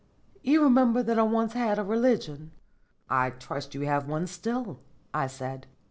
You remember that I once had a religion?" "I trust you have one still," I said.